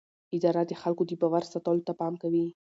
اداره د خلکو د باور ساتلو ته پام کوي.